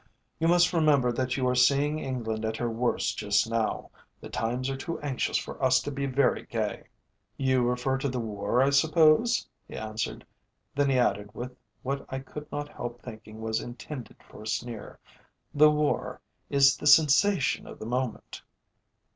"You must remember that you are seeing England at her worst just now. The times are too anxious for us to be very gay." "You refer to the war, I suppose?" he answered. Then he added with what I could not help thinking was intended for a sneer: "The war is the sensation of the moment."